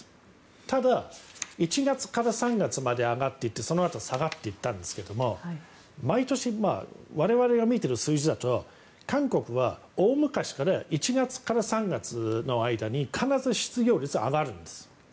ただ、１月から３月まで上がっていってそのあと下がっていったんですけども毎年、我々が見てる数字だと韓国は大昔から１月から３月の間に必ず失業率は上がるんです。